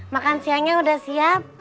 makan siangnya udah siap